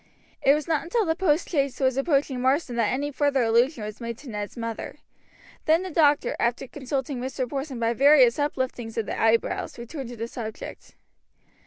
It was not until the postchaise was approaching Marsden that any further allusion was made to Ned's mother. Then the doctor, after consulting Mr. Porson by various upliftings of the eyebrows, returned to the subject.